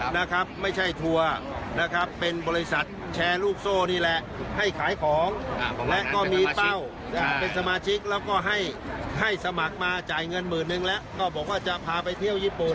นะครับไม่ใช่ทัวร์นะครับเป็นบริษัทแชร์ลูกโซ่นี่แหละให้ขายของและก็มีเป้าเป็นสมาชิกแล้วก็ให้ให้สมัครมาจ่ายเงินหมื่นนึงแล้วก็บอกว่าจะพาไปเที่ยวญี่ปุ่น